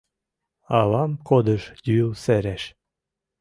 Авам кодыш Юл сереш.